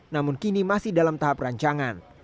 namun kini masih dalam tahap rancangan